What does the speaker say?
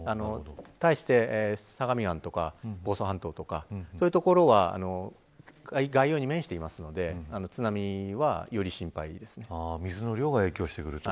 対して相模湾とか房総半島とかそういう所は外洋に面しているので水の量が影響してくると。